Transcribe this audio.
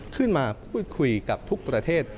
ขึ้นมาพูดคุยกับทุกประเทศ